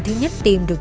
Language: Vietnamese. thứ nhất tìm được